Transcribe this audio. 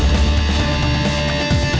lo sudah bisa berhenti